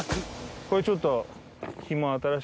これちょっと。